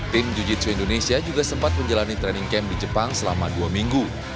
tim jiu jitsu indonesia juga sempat menjalani training camp di jepang selama dua minggu